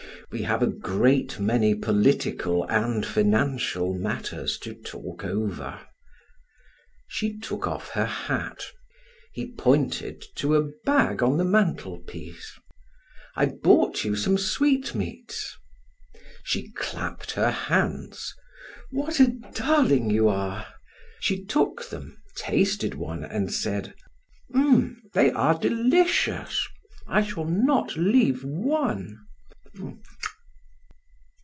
We have a great many political and financial matters to talk over." She took off her hat. He pointed to a bag on the mantelpiece: "I bought you some sweetmeats." She clapped her hands. "What a darling you are!" She took them, tasted one, and said: "They are delicious. I shall not leave one.